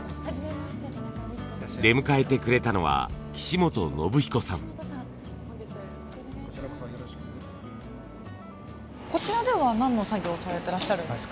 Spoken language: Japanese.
出迎えてくれたのはこちらでは何の作業をされてらっしゃるんですか？